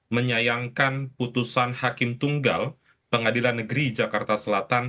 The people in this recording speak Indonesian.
menyayangkan putusan hakim tunggal pengadilan negeri jakarta selatan